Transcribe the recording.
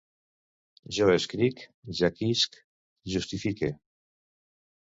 Jo escric, jaquisc, justifique